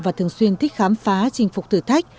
và thường xuyên thích khám phá chinh phục thử thách